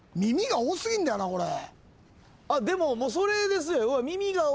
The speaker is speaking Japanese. あっでももうそれですよ。